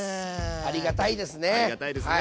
ありがたいですね。